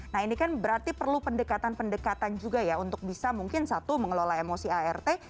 nah ini kan berarti perlu pendekatan pendekatan juga ya untuk bisa mungkin satu mengelola emosi art